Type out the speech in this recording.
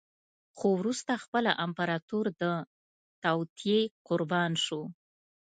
خو وروسته خپله امپراتور د توطیې قربان شو.